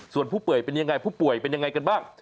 ส่วนผู้ป่วยเป็นยังไงผู้ป่วยเป็นยังไงกันบ้าง